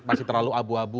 masih terlalu abu abu